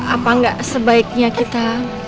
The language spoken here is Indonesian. apa gak sebaiknya kita